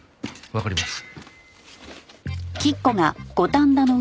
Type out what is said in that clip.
わかります。